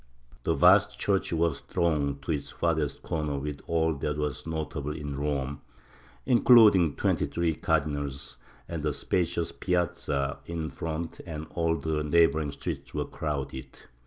The vast church was thronged to its farthest corner with all that was notable in Rome, including twenty three cardinals, and the spacious piazza in front and all the neighboring streets were crowded.